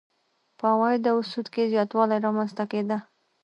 په عوایدو او سواد کې زیاتوالی رامنځته کېده.